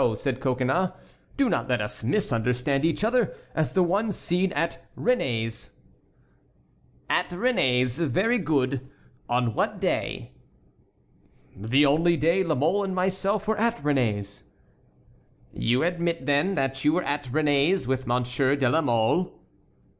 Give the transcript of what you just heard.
said Coconnas, "do not let us misunderstand each other—as the one seen at Réné's." "At Réné's; very good! On what day?" "The only day La Mole and myself were at Réné's." "You admit, then, that you were at Réné's with Monsieur de la Mole?"